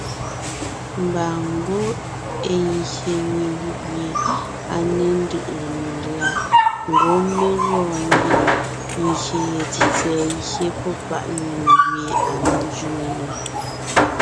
Mba ngwɔ́ é gye nyìŋ gẅie à ne ńdʉʼʉ nò la, ngwɔ́ mé gɔɔn ngie ngyè ye tsètsɛ̀ɛ gye pɔ́ páʼ nyìŋ gẅie à ne ńzẅíŋe nò.